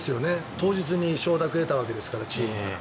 当日に承諾を得たわけですからチームから。